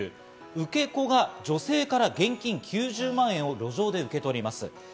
受け子が女性から現金９０万円を路上で受け取ります。